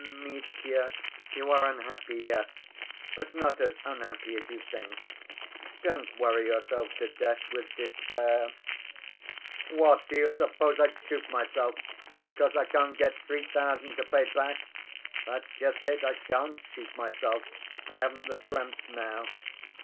" "Mitya, you are unhappy, yes! But not as unhappy as you think. Don't worry yourself to death with despair." "What, do you suppose I'd shoot myself because I can't get three thousand to pay back? That's just it. I shan't shoot myself. I haven't the strength now.